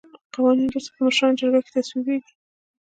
قوانین وروسته په مشرانو جرګه کې تصویبیږي.